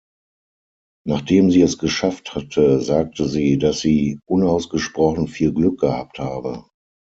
Nachdem sie es geschafft hatte, sagte sie dass sie unausgesprochen viel Glück gehabt habe.